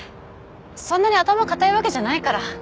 そんなに頭固いわけじゃないから。